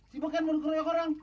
si beken mau keroyok orang